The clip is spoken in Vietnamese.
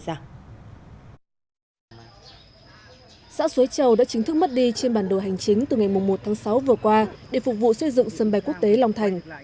xã suối châu đã chính thức mất đi trên bản đồ hành chính từ ngày một tháng sáu vừa qua để phục vụ xây dựng sân bay quốc tế long thành